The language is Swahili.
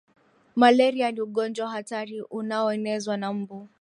malaria ni ugonjwa hatari unaonezwa na mbu